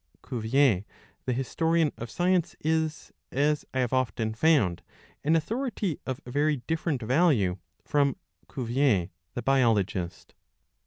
Cuvier the historian of science is, as I have often found, an authority of very different value from Cuvier the biologist.